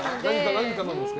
何頼むんですか？